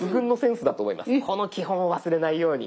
この基本を忘れないように。